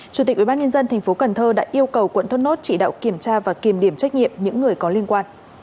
chủ tịch ubnd tp cn đã yêu cầu quận thốt nốt chỉ đạo kiểm tra và kiểm điểm trách nhiệm những người có liên quan